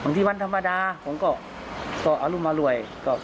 บางที่วันธรรมดาผมก็อารุมารวย